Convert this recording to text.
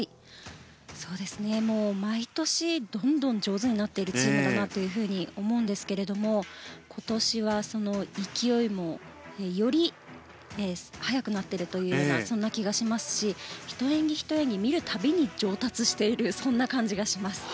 そうですね毎年、どんどん上手になっているチームだなと思うんですけれど今年は勢いもより速くなっているようなそんな気がしますし１演技、１演技見る度に上達しているそんな感じがします。